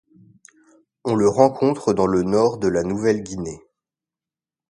On le rencontre dans le nord de la Nouvelle-Guinée.